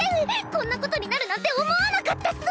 こんなことになるなんて思わなかったっス。